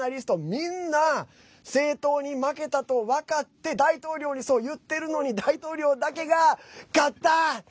みんな正当に負けたと分かって大統領に、そう言っているのに大統領だけが、勝った！